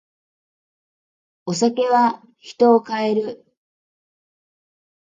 お酒は人を変える。